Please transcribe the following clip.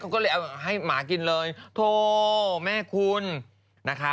ก็เลยเอาให้หมากินเลยโถแม่คุณนะคะ